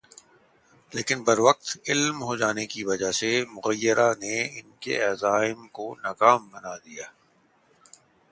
لیکن بروقت علم ہو جانے کی وجہ سے مغیرہ نے ان کے عزائم کو ناکام بنا دیا۔